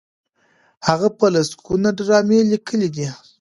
هغه په لسګونو ډرامې لیکلي دي.